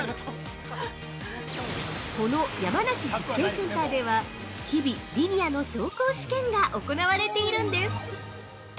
この山梨実験センターでは日々、リニアの走行試験が行われているんです。